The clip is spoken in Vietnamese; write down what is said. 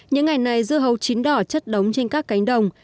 những ngày này dưa hấu chín đỏ chất đống trên các cánh đồng